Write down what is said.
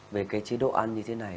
về cái chế độ ăn như thế này